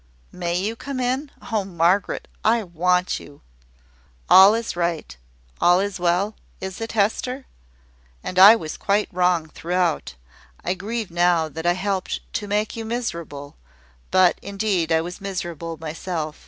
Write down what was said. "May you come in? Oh, Margaret! I want you." "All is right: all is well; is it, Hester? And I was quite wrong throughout. I grieve now that I helped to make you miserable: but, indeed, I was miserable myself.